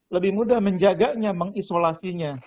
lebih mudah menjaganya mengisolasinya